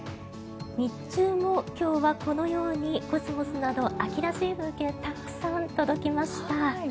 日中も今日はこのようにコスモスなど秋らしい風景たくさん届きました。